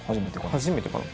初めてかな？